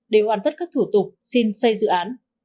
để hoàn tất các thủ tục xin xây dự án